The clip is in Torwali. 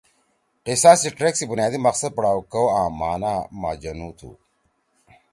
قصہ سی ٹریک سی بنیادی مقصد پڑھاؤ کؤ آں معنیٰ ما جنُو تُھو۔